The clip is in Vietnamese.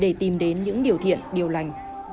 để tìm đến những điều thiện điều lành